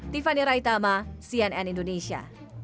tiffany raitama cnn indonesia